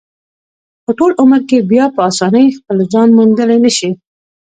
په ټول عمر کې بیا په اسانۍ خپل ځان موندلی نشي.